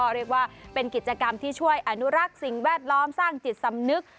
เรียกว่าเป็นกิจกรรมที่ช่วยอนุรักษ์สิ่งแวดล้อมสร้างจิตสำนึก